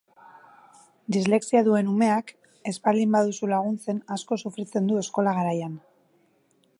Dislexia duen umeak, ez baldin baduzu laguntzen, asko sufritzen du eskola garaian.